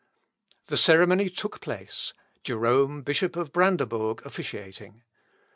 The ceremony took place, Jerome, Bishop of Brandebourg, officiating.